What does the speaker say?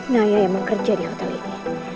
naya yang mau kerja di hotel ini